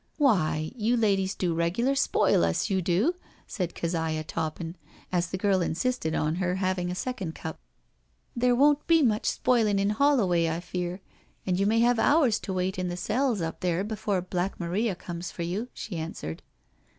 " Why, you ladies do regular spoil us, you do," said Keziah Toppin, as the girl insisted on her having a second cup. " There won't be much spoiling in HoUoway, I fear, and you may have hours to wait in the cells up there before Black Maria comes for you," she answered.